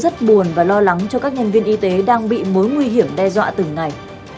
rất buồn và lo lắng cho các nhân viên y tế đang bị mối nguy hiểm đe dọa từng ngày